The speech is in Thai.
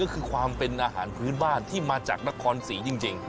ก็คือความเป็นอาหารพื้นบ้านที่มาจากนครศรีจริง